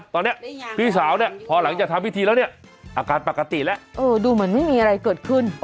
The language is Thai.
ตอนนี้พี่สาวเนี่ยพอหลังจากทำพิธีแล้วเนี่ยอาการปกติแล้วดูเหมือนไม่มีอะไรเกิดขึ้น